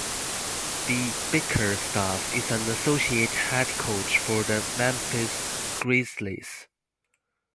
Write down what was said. B. Bickerstaff, is an associate head coach for the Memphis Grizzlies.